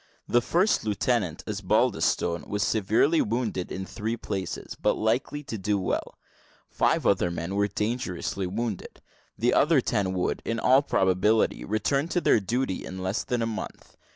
The first lieutenant, Osbaldistone, was severely wounded in three places, but likely to do well; five other men were dangerously wounded; the other ten would, in all probability, return to their duty in less than a month.